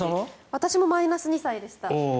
私もマイナス２歳でした。